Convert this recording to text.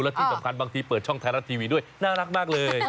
และที่สำคัญบางทีเปิดช่องไทยรัฐทีวีด้วยน่ารักมากเลย